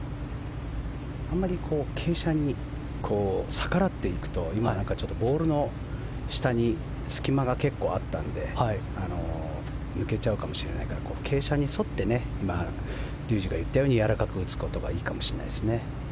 あまり傾斜に逆らっていくと今、ボールの下に隙間が結構あったので抜けちゃうかもしれないから傾斜に沿って今、竜二が言ったようにやわらかく打つことがいいかもしれないですね。